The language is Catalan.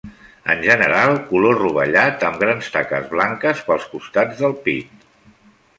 En general color rovellat amb grans taques blanques pels costats del pit.